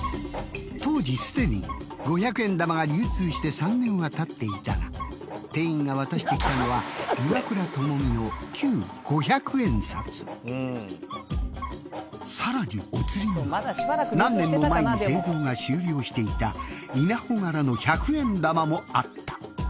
当時すでに五百円玉が流通して３年はたっていたが店員が渡してきたのはさらにお釣りには何年も前に製造が終了していた稲穂柄の百円玉もあった。